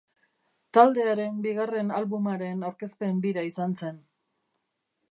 Taldearen bigarren albumaren aurkezpen bira izan zen.